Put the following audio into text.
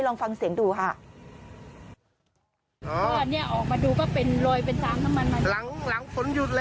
ลองฟังเสียงดูค่ะ